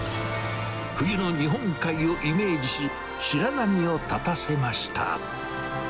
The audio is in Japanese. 冬の日本海をイメージし、白波を立たせました。